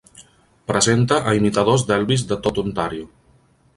Presenta a imitadors d'Elvis de tot Ontario.